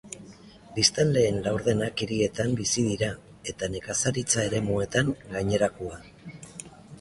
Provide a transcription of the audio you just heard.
Biztanleen laurdenak hirietan bizi dira, eta nekazaritza-eremuetan gainerakoa.